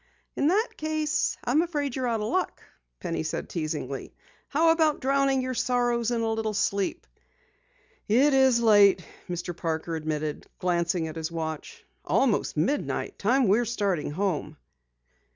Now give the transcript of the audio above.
"In that case, I'm afraid you're out of luck," Penny said teasingly. "How about drowning your troubles in a little sleep?" "It is late," Mr. Parker admitted, glancing at his watch. "Almost midnight. Time we're starting home."